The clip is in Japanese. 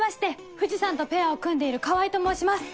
藤さんとペアを組んでいる川合と申します！